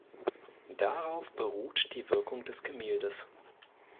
Darauf beruht die Wirkung des Gemäldes.